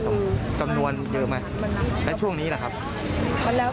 มีความเชื่อขนาดไหนครับเรื่องรัก